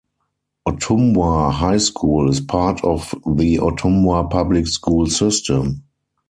Ottumwa High School is part of the Ottumwa public school system.